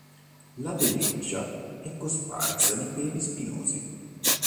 La pelliccia è cosparsa di peli spinosi.